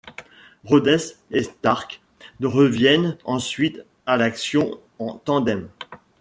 Rhodes et Stark reviennent ensuite à l'action en tandem.